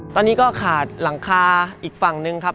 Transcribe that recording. ตอนนี้ก็ขาดหลังคาอีกฝั่งหนึ่งครับ